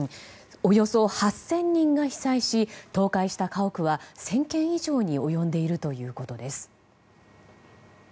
およそ８０００人が被災し倒壊した家屋は１０００軒以上に及んでいるということです。